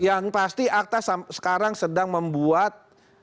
yang pasti akta sekarang sedang membuat